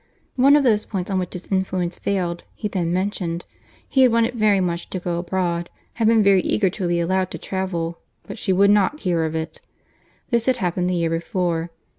One of those points on which his influence failed, he then mentioned. He had wanted very much to go abroad—had been very eager indeed to be allowed to travel—but she would not hear of it. This had happened the year before.